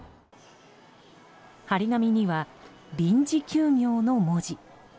貼り紙には臨時休業の文字。